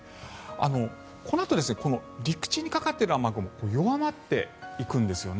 このあと陸地にかかっている雨雲弱まっていくんですよね。